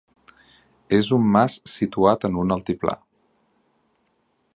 És un mas situat en un altiplà.